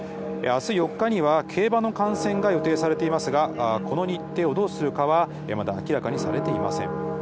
あす４日には競馬の観戦が予定されていますが、この日程をどうするかは、まだ明らかにされていません。